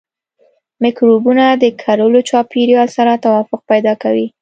مکروبونه د کرلو چاپیریال سره توافق پیدا کوي.